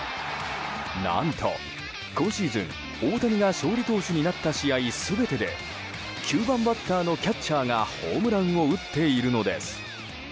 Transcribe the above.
何と、今シーズン大谷が勝利投手になった試合全てで９番バッターのキャッチャーがホームランを打っているのです。